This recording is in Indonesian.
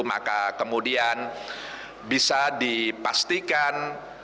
maka kemudian bisa dipastikan